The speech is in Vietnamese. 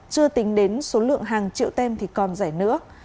chưa tính đến số lượng hàng triệu tem thì còn rẻ nữa